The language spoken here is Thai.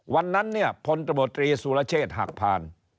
วันนั้นเนี่ยพลตมตรีสุรเชษฐ์หักผ่าน